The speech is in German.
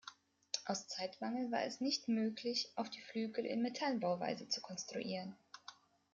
Aus Zeitmangel war es nicht möglich, auch die Flügel in Metallbauweise zu konstruieren.